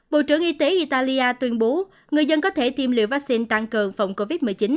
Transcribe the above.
bộ trưởng y tế italia tuyên bố người dân có thể tiêm liều vaccine tăng cường phòng covid một mươi chín